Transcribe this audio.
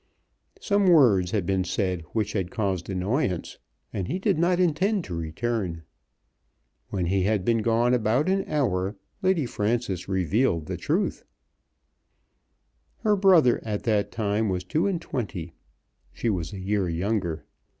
Some words had been said which had caused annoyance, and he did not intend to return. When he had been gone about an hour Lady Frances revealed the truth. Her brother at that time was two and twenty. She was a year younger.